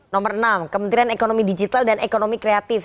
nomor enam kementerian ekonomi digital dan ekonomi kreatif